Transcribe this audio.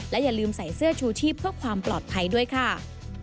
อย่าลืมใส่เสื้อชูชีพเพื่อความปลอดภัยด้วยค่ะ